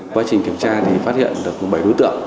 quá trình kiểm tra thì phát hiện được bảy đối tượng